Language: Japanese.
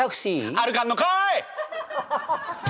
歩かんのかい！